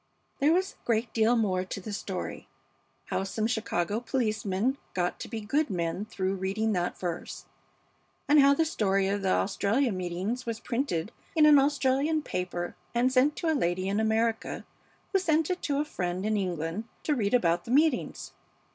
"There was a great deal more to the story, how some Chicago policemen got to be good men through reading that verse, and how the story of the Australia meetings was printed in an Australian paper and sent to a lady in America who sent it to a friend in England to read about the meetings.